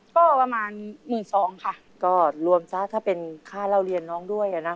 ก็ประมาณหมื่นสองค่ะก็รวมซะถ้าเป็นค่าเล่าเรียนน้องด้วยอ่ะนะคะ